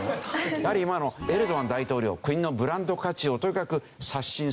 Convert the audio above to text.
やはり今のエルドアン大統領国のブランド価値をとにかく刷新する。